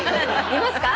見ますか。